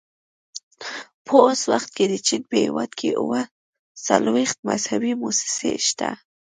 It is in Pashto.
په اوس وخت کې د چین په هېواد کې اووه څلوېښت مذهبي مؤسسې شته.